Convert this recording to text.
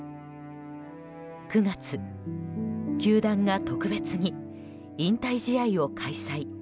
９月、球団が特別に引退試合を開催。